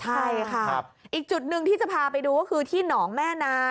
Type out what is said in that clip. ใช่ค่ะอีกจุดหนึ่งที่จะพาไปดูก็คือที่หนองแม่นา